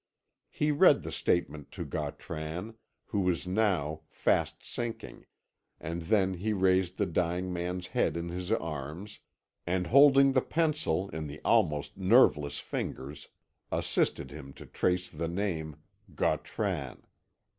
He read the statement to Gautran, who was now fast sinking, and then he raised the dying man's head in his arms, and holding the pencil in the almost nerveless fingers, assisted him to trace the name "Gautran."